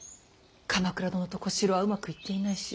鎌倉殿と小四郎はうまくいっていないし。